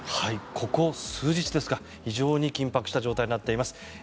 ここ数日ですか非常に緊迫した状態になっています。